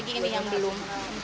tiga lagi ini yang belum